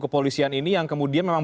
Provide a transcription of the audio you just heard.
kepolisian ini yang kemudian memang